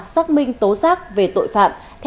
xác minh tố xác về tội phạm